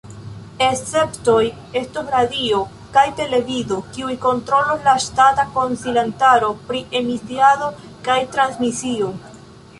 Esceptoj estos radio kaj televido, kiujn kontrolos la ŝtata Konsilantaro pri Emisiado kaj Transmisio.